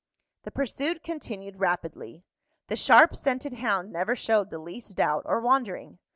The pursuit continued rapidly. The sharp scented hound never showed the least doubt or wandering.